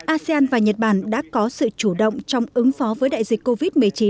asean và nhật bản đã có sự chủ động trong ứng phó với đại dịch covid một mươi chín